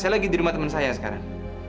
saya lagi di rumah teman saya sekarang